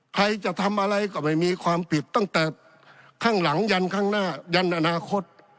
ใครจะทำอะไรก็ไม่มีความผิดตั้งแต่ข้างหลังยันข้างหน้ายันอนาคต